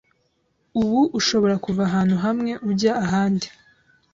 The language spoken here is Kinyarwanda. ubu ushobora kuva ahantu hamwe ujya ahandi